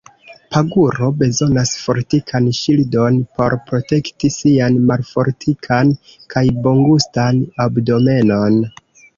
Paguro bezonas fortikan ŝildon por protekti sian malfortikan kaj bongustan abdomenon.